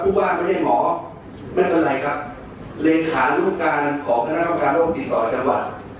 ว่าไม่ใช่หมอไม่เป็นไรครับเลขานุการของคณะกรรมการโรคติดต่อจังหวัด